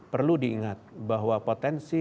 perlu diingat bahwa potensi